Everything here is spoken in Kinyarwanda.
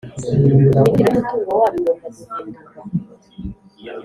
imicungire y’umutungo wabo igomba guhindurwa